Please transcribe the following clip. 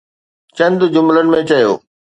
چند جملن ۾ چيو.